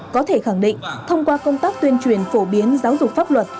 có thể khẳng định thông qua công tác tuyên truyền phổ biến giáo dục pháp luật